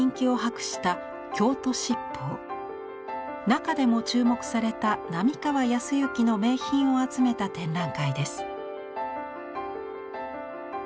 中でも注目された並河靖之の名品を集めた展覧会です。